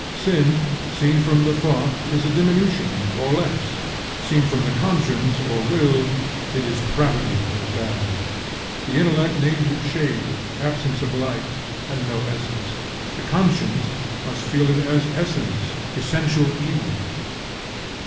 Sin, seen from the thought, is a diminution, or less: seen from the conscience or will, it is pravity or bad. The intellect names it shade, absence of light, and no essence. The conscience must feel it as essence, essential evil.